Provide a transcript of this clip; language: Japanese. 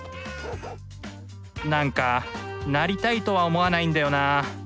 何かなりたいとは思わないんだよなあ。